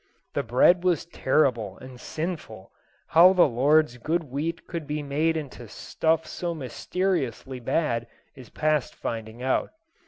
The bread was terrible and sinful. How the Lord's good wheat could be made into stuff so mysteriously bad is past finding out.